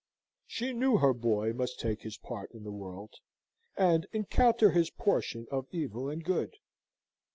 She knew her boy must take his part in the world, and encounter his portion of evil and good.